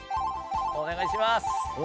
お願いします！